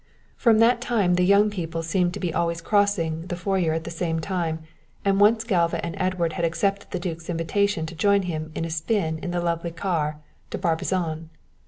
From that time the young people seemed to be always crossing the foyer at the same time, and once Galva and Edward had accepted the duke's invitation to join him in a spin in the lovely car to Barbizon.